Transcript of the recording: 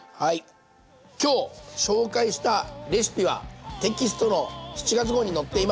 今日紹介したレシピはテキストの７月号に載っています。